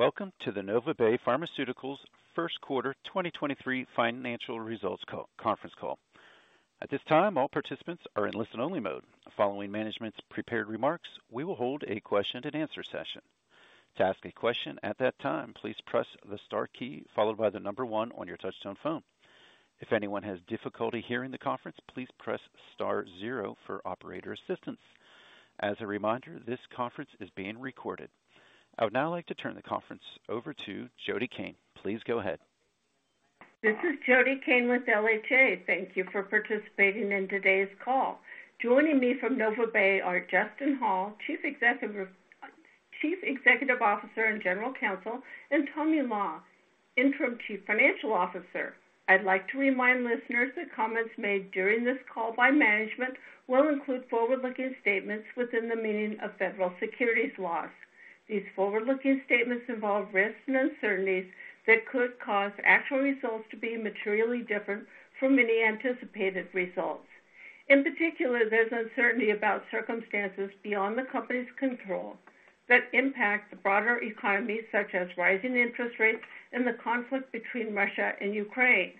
Welcome to the NovaBay Pharmaceuticals First Quarter 2023 financial results conference call. At this time, all participants are in listen-only mode. Following management's prepared remarks, we will hold a question-and-answer session. To ask a question at that time, please press the star key followed by the number one on your touchtone phone. If anyone has difficulty hearing the conference, please press star zero for operator assistance. As a reminder, this conference is being recorded. I would now like to turn the conference over to Jody Cain. Please go ahead. This is Jody Cain with LHA. Thank you for participating in today's call. Joining me from NovaBay are Justin Hall, Chief Executive Officer and General Counsel, and Tommy Law, Interim Chief Financial Officer. I'd like to remind listeners that comments made during this call by management will include forward-looking statements within the meaning of federal securities laws. These forward-looking statements involve risks and uncertainties that could cause actual results to be materially different from any anticipated results. In particular, there's uncertainty about circumstances beyond the company's control that impact the broader economy, such as rising interest rates and the conflict between Russia and Ukraine.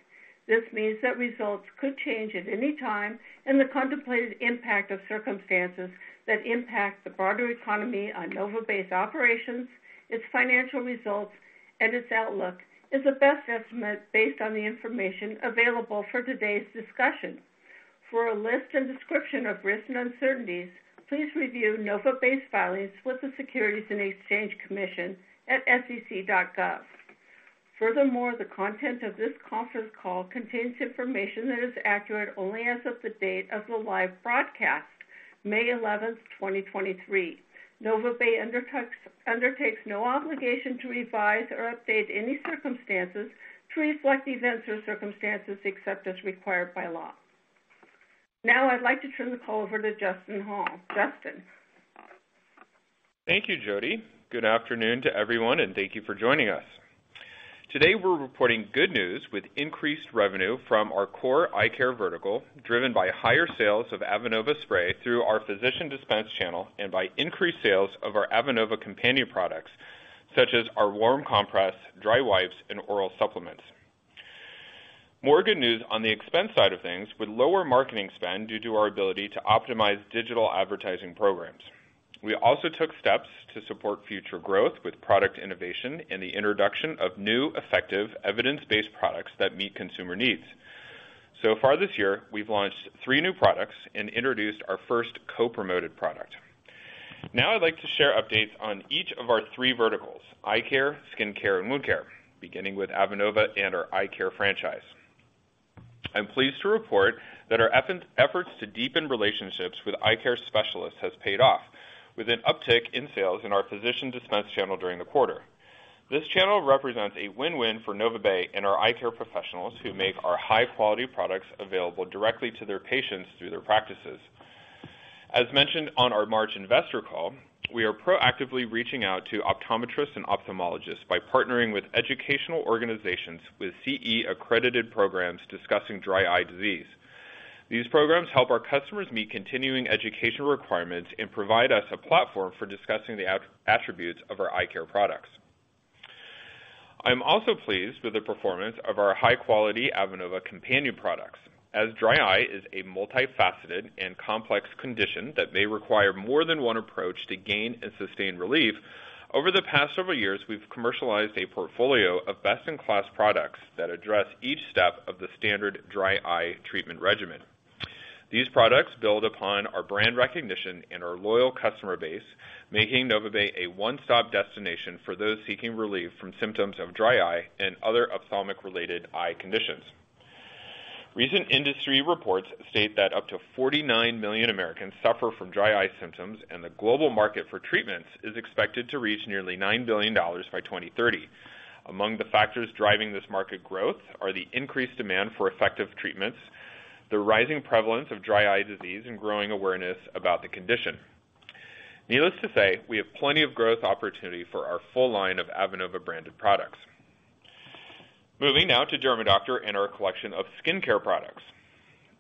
This means that results could change at any time. The contemplated impact of circumstances that impact the broader economy on NovaBay's operations, its financial results, and its outlook is a best estimate based on the information available for today's discussion. For a list and description of risks and uncertainties, please review NovaBay's filings with the Securities and Exchange Commission at sec.gov. The content of this conference call contains information that is accurate only as of the date of the live broadcast, May 11th, 2023. NovaBay undertakes no obligation to revise or update any circumstances to reflect events or circumstances, except as required by law. I'd like to turn the call over to Justin Hall. Justin. Thank you, Jody. Good afternoon to everyone. Thank you for joining us. Today, we're reporting good news with increased revenue from our core eyecare vertical, driven by higher sales of Avenova spray through our physician dispense channel and by increased sales of our Avenova companion products such as our warm compress, dry wipes, and oral supplements. More good news on the expense side of things with lower marketing spend due to our ability to optimize digital advertising programs. We also took steps to support future growth with product innovation and the introduction of new, effective, evidence-based products that meet consumer needs. Far this year, we've launched 3 new products and introduced our first co-promoted product. I'd like to share updates on each of our 3 verticals: eyecare, skincare, and wound care, beginning with Avenova and our eyecare franchise. I'm pleased to report that our efforts to deepen relationships with eye care specialists has paid off with an uptick in sales in our physician dispense channel during the quarter. This channel represents a win-win for NovaBay and our eye care professionals who make our high-quality products available directly to their patients through their practices. As mentioned on our March investor call, we are proactively reaching out to optometrists and ophthalmologists by partnering with educational organizations with CE-accredited programs discussing dry eye disease. These programs help our customers meet continuing education requirements and provide us a platform for discussing the attributes of our eye care products. I'm also pleased with the performance of our high-quality Avenova companion products. As dry eye is a multifaceted and complex condition that may require more than one approach to gain and sustain relief, over the past several years, we've commercialized a portfolio of best-in-class products that address each step of the standard dry eye treatment regimen. These products build upon our brand recognition and our loyal customer base, making NovaBay a one-stop destination for those seeking relief from symptoms of dry eye and other ophthalmic-related eye conditions. Recent industry reports state that up to 49 million Americans suffer from dry eye symptoms, and the global market for treatments is expected to reach nearly $9 billion by 2030. Among the factors driving this market growth are the increased demand for effective treatments, the rising prevalence of dry eye disease, and growing awareness about the condition. Needless to say, we have plenty of growth opportunity for our full line of Avenova branded products. Moving now to DERMAdoctor and our collection of skincare products.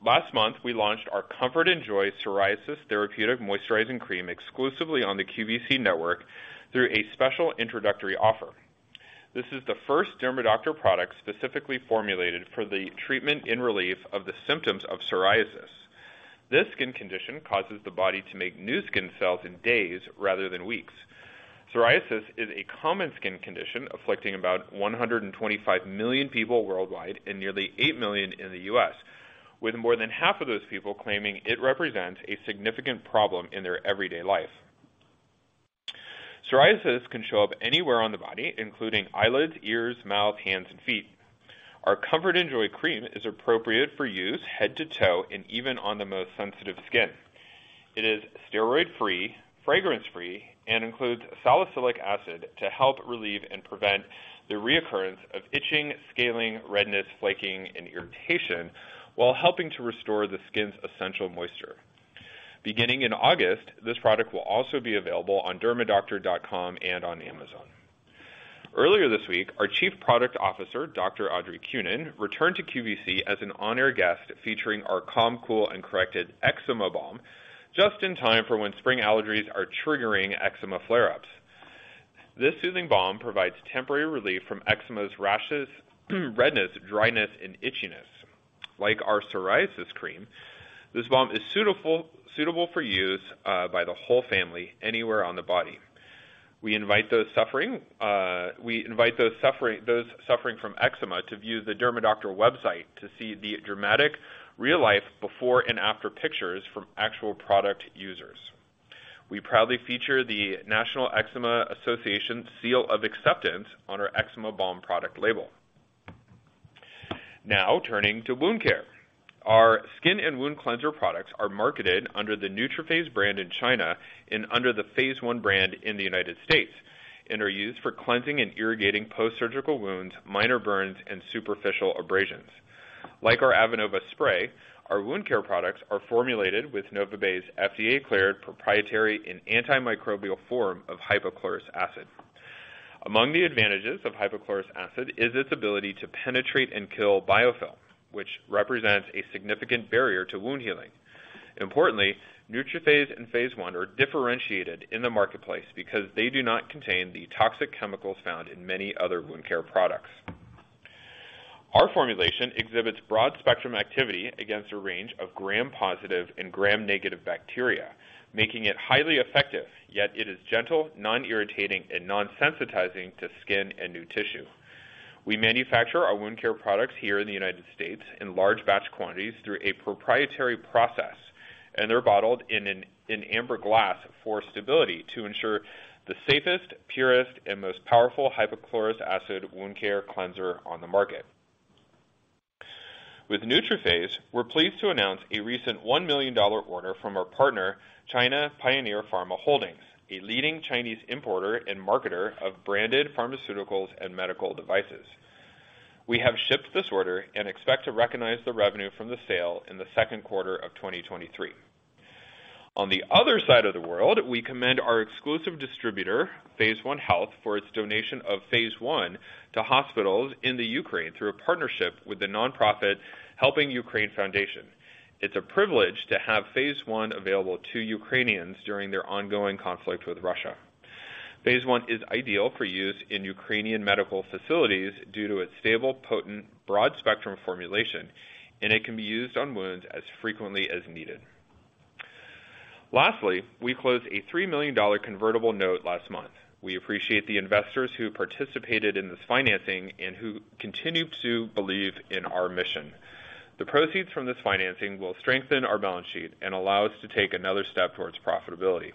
Last month, we launched our Comfort + Joy Psoriasis Therapeutic Moisturizing Cream exclusively on the QVC network through a special introductory offer. This is the first DERMAdoctor product specifically formulated for the treatment and relief of the symptoms of psoriasis. This skin condition causes the body to make new skin cells in days rather than weeks. Psoriasis is a common skin condition afflicting about 125 million people worldwide and nearly 8 million in the U.S., with more than half of those people claiming it represents a significant problem in their everyday life. Psoriasis can show up anywhere on the body, including eyelids, ears, mouth, hands, and feet. Our Comfort + Joy cream is appropriate for use head to toe and even on the most sensitive skin. It is steroid-free, fragrance-free, and includes salicylic acid to help relieve and prevent the reoccurrence of itching, scaling, redness, flaking, and irritation while helping to restore the skin's essential moisture. Beginning in August, this product will also be available on DERMAdoctor.com and on Amazon. Earlier this week, our Chief Product Officer, Dr. Audrey Kunin, returned to QVC as an on-air guest featuring our Calm, Cool + Corrected Eczema Balm. Just in time for when spring allergies are triggering eczema flare-ups. This soothing balm provides temporary relief from eczema's rashes, redness, dryness, and itchiness. Like our psoriasis cream, this balm is suitable for use by the whole family anywhere on the body. We invite those suffering... We invite those suffering from eczema to view the DERMAdoctor website to see the dramatic real-life before and after pictures from actual product users. We proudly feature the National Eczema Association Seal of Acceptance on our eczema balm product label. Turning to wound care. Our skin and wound cleanser products are marketed under the NeutroPhase brand in China and under the PhaseOne brand in the United States, and are used for cleansing and irrigating post-surgical wounds, minor burns, and superficial abrasions. Like our Avenova spray, our wound care products are formulated with NovaBay's FDA-cleared proprietary and antimicrobial form of hypochlorous acid. Among the advantages of hypochlorous acid is its ability to penetrate and kill biofilm, which represents a significant barrier to wound healing. Importantly, NeutroPhase and PhaseOne are differentiated in the marketplace because they do not contain the toxic chemicals found in many other wound care products. Our formulation exhibits broad-spectrum activity against a range of gram-positive and gram-negative bacteria, making it highly effective, yet it is gentle, non-irritating, and non-sensitizing to skin and new tissue. We manufacture our wound care products here in the United States in large batch quantities through a proprietary process, they're bottled in amber glass for stability to ensure the safest, purest, and most powerful hypochlorous acid wound care cleanser on the market. With NeutroPhase, we're pleased to announce a recent $1 million order from our partner, China Pioneer Pharma Holdings, a leading Chinese importer and marketer of branded pharmaceuticals and medical devices. We have shipped this order and expect to recognize the revenue from the sale in the second quarter of 2023. On the other side of the world, we commend our exclusive distributor, PhaseOne Health, for its donation of PhaseOne to hospitals in Ukraine through a partnership with the nonprofit HelpingUkraine.us. It's a privilege to have PhaseOne available to Ukrainians during their ongoing conflict with Russia. PhaseOne is ideal for use in Ukrainian medical facilities due to its stable, potent, broad-spectrum formulation, and it can be used on wounds as frequently as needed. Lastly, we closed a $3 million convertible note last month. We appreciate the investors who participated in this financing and who continue to believe in our mission. The proceeds from this financing will strengthen our balance sheet and allow us to take another step towards profitability.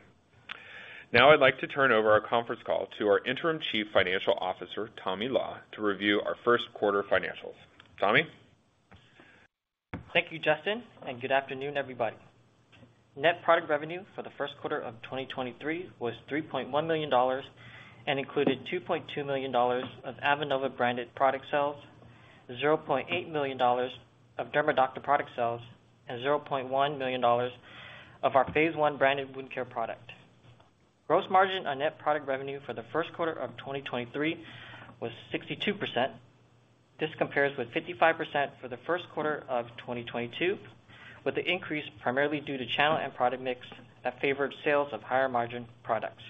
Now I'd like to turn over our conference call to our Interim Chief Financial Officer, Tommy Law, to review our first quarter financials. Tommy? Thank you, Justin. Good afternoon, everybody. Net product revenue for the first quarter of 2023 was $3.1 million and included $2.2 million of Avenova-branded product sales, $0.8 million of DERMAdoctor product sales, and $0.1 million of our PhaseOne branded wound care product. Gross margin on net product revenue for the first quarter of 2023 was 62%. This compares with 55% for the first quarter of 2022, with the increase primarily due to channel and product mix that favored sales of higher margin products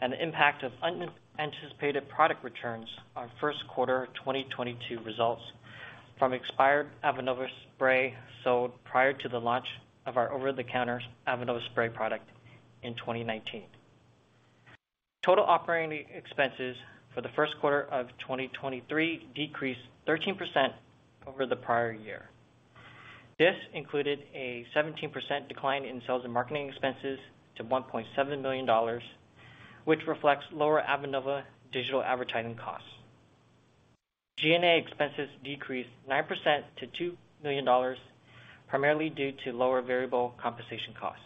and the impact of unanticipated product returns on first quarter 2022 results from expired Avenova spray sold prior to the launch of our over-the-counter Avenova spray product in 2019. Total operating expenses for the first quarter of 2023 decreased 13% over the prior year. This included a 17% decline in sales and marketing expenses to $1.7 million, which reflects lower Avenova digital advertising costs. G&A expenses decreased 9% to $2 million, primarily due to lower variable compensation costs.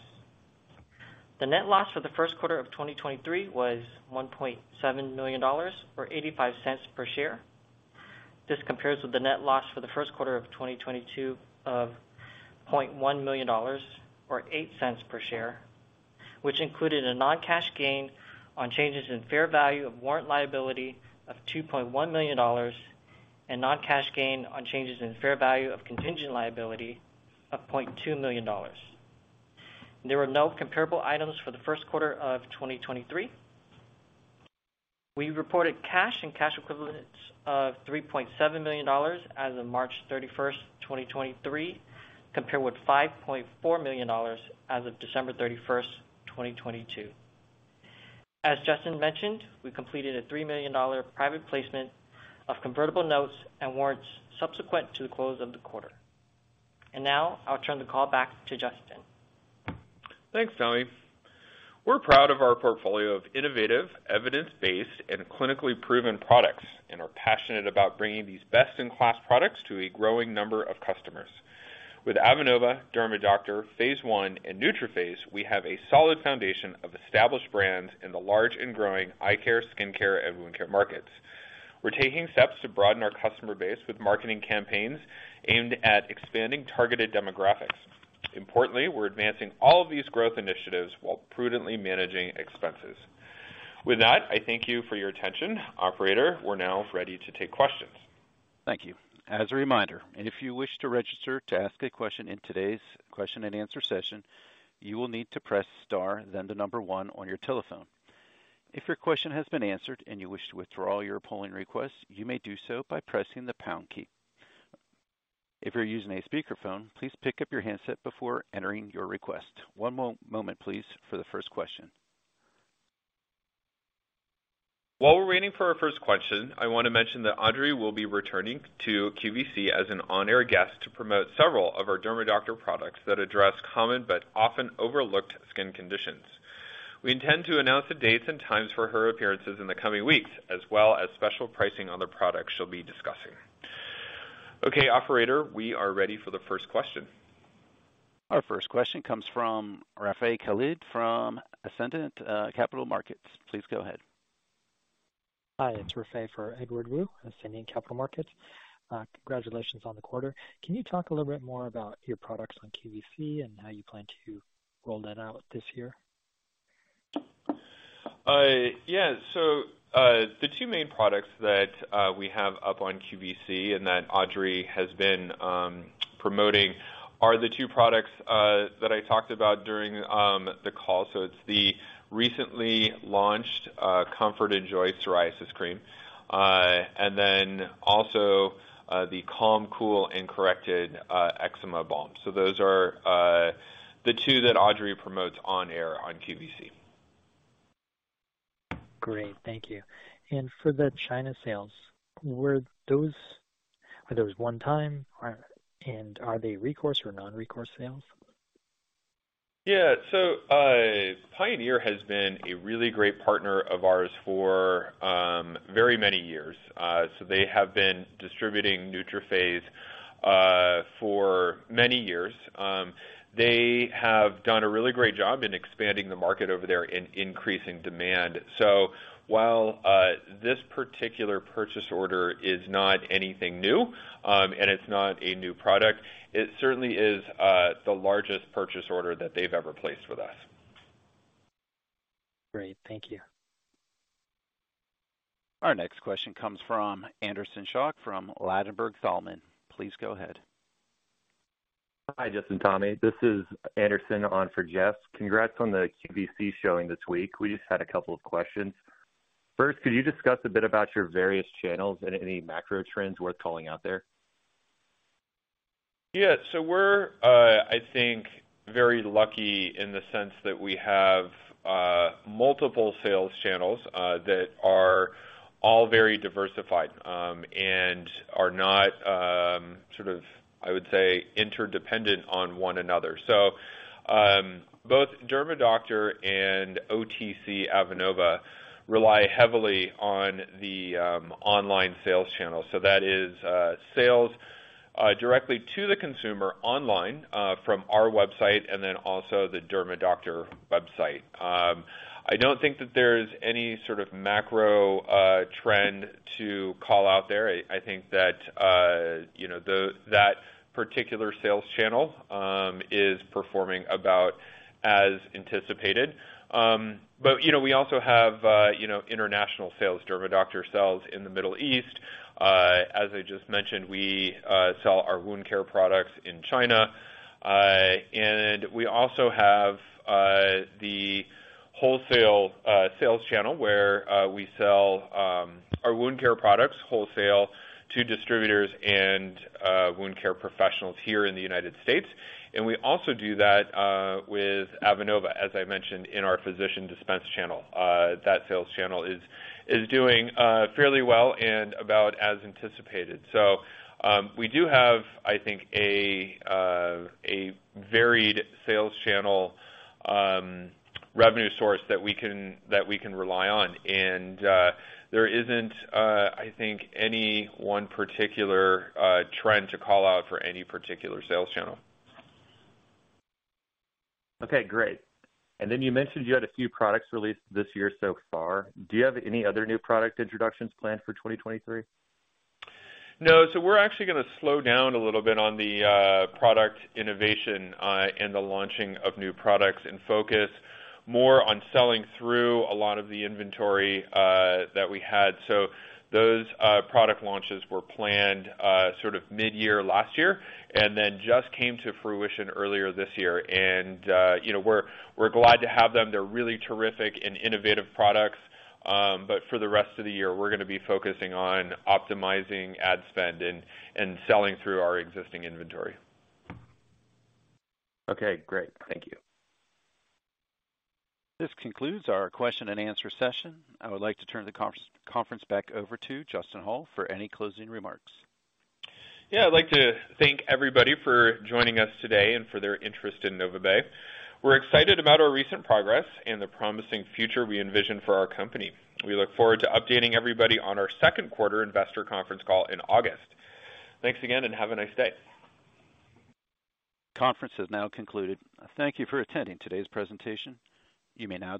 The net loss for the first quarter of 2023 was $1.7 million or $0.85 per share. This compares with the net loss for the first quarter of 2022 of $0.1 million or $0.08 per share, which included a non-cash gain on changes in fair value of warrant liability of $2.1 million and non-cash gain on changes in fair value of contingent liability of $0.2 million. There were no comparable items for the first quarter of 2023. We reported cash and cash equivalents of $3.7 million as of March 31, 2023, compared with $5.4 million as of December 31, 2022. As Justin mentioned, we completed a $3 million private placement of convertible notes and warrants subsequent to the close of the quarter. Now I'll turn the call back to Justin. Thanks, Tommy. We're proud of our portfolio of innovative, evidence-based, and clinically proven products and are passionate about bringing these best-in-class products to a growing number of customers. With Avenova, DERMAdoctor, PhaseOne, and NeutroPhase, we have a solid foundation of established brands in the large and growing eye care, skincare, and wound care markets. We're taking steps to broaden our customer base with marketing campaigns aimed at expanding targeted demographics. Importantly, we're advancing all of these growth initiatives while prudently managing expenses. With that, I thank you for your attention. Operator, we're now ready to take questions. Thank you. As a reminder, if you wish to register to ask a question in today's question-and-answer session, you will need to press star, then the number one on your telephone. If your question has been answered and you wish to withdraw your polling request, you may do so by pressing the pound key. If you're using a speakerphone, please pick up your handset before entering your request. One moment, please, for the first question. While we're waiting for our first question, I want to mention that Audrey will be returning to QVC as an on-air guest to promote several of our DERMAdoctor products that address common but often overlooked skin conditions. We intend to announce the dates and times for her appearances in the coming weeks, as well as special pricing on the products she'll be discussing. Okay, operator, we are ready for the first question. Our first question comes from Rafay Khalid from Ascendant Capital Markets. Please go ahead. Hi, it's Rafay for Edward Woo, Ascendant Capital Markets. Congratulations on the quarter. Can you talk a little bit more about your products on QVC and how you plan to roll that out this year? Yeah. The two main products that we have up on QVC and that Audrey has been promoting are the two products that I talked about during the call. It's the recently launched Comfort + Joy Psoriasis Cream and then also the Calm Cool + Corrected Eczema Balm. Those are the two that Audrey promotes on air on QVC. Great. Thank you. For the China sales, are those one-time? Are they recourse or non-recourse sales? Yeah. Pioneer has been a really great partner of ours for very many years. They have been distributing NeutroPhase for many years. They have done a really great job in expanding the market over there and increasing demand. While this particular purchase order is not anything new, and it's not a new product, it certainly is the largest purchase order that they've ever placed with us. Great. Thank you. Our next question comes from Anderson Schock from Ladenburg Thalmann. Please go ahead. Hi, Justin, Tommy. This is Anderson on for Jeff. Congrats on the QVC showing this week. We just had a couple of questions. First, could you discuss a bit about your various channels and any macro trends worth calling out there? Yeah. We're, I think, very lucky in the sense that we have multiple sales channels that are all very diversified and are not, sort of, I would say, interdependent on one another. Both DERMAdoctor and OTC Avenova rely heavily on the online sales channel. That is, sales directly to the consumer online from our website and then also the DERMAdoctor website. I don't think that there's any sort of macro trend to call out there. I think that, you know, that particular sales channel is performing about as anticipated. But, you know, we also have, you know, international sales DERMAdoctor sells in the Middle East. As I just mentioned, we sell our wound care products in China. We also have the wholesale sales channel where we sell our wound care products wholesale to distributors and wound care professionals here in the United States. We also do that with Avenova, as I mentioned, in our physician dispense channel. That sales channel is doing fairly well and about as anticipated. We do have, I think, a varied sales channel revenue source that we can rely on. There isn't, I think any one particular trend to call out for any particular sales channel. Okay. Great. You mentioned you had a few products released this year so far. Do you have any other new product introductions planned for 2023? No. We're actually gonna slow down a little bit on the product innovation and the launching of new products and focus more on selling through a lot of the inventory that we had. Those product launches were planned sort of midyear last year, and then just came to fruition earlier this year. You know, we're glad to have them. They're really terrific and innovative products. For the rest of the year, we're gonna be focusing on optimizing ad spend and selling through our existing inventory. Okay. Great. Thank you. This concludes our question-and-answer session. I would like to turn the conference back over to Justin Hall for any closing remarks. Yeah. I'd like to thank everybody for joining us today and for their interest in NovaBay. We're excited about our recent progress and the promising future we envision for our company. We look forward to updating everybody on our second quarter investor conference call in August. Thanks again, and have a nice day. Conference has now concluded. Thank you for attending today's presentation. You may now disconnect.